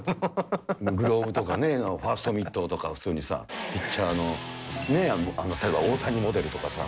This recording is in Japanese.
グローブとかね、ファーストミットとか、普通にさ、ピッチャーの大谷モデルとかさ。